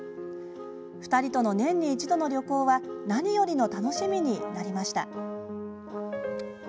２人との年に一度の旅行は何よりの楽しみになりました。